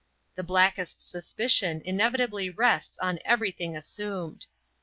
The blackest suspicion inevitably rests on every thing assumed.